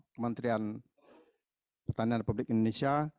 kementerian pertanian republik indonesia